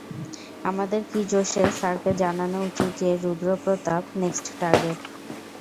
আমাদের কি জোসে স্যারকে জানানো উচিত যে রুদ্র প্রতাপ নেক্সট টার্গেট?